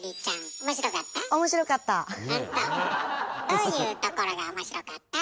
どういうところが面白かった？